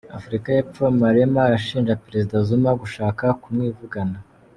Afurika y’Epfo: Malema arashinja Perezida Zuma gushaka kumwivugana